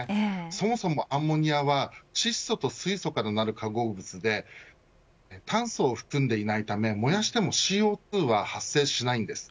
そもそもアンモニアは窒素と水素からなる化合物なので炭素を含んでいないので燃やしてもＣＯ２は発生しないんです。